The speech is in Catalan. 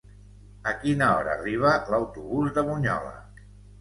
A quina hora arriba l'autobús de Bunyola?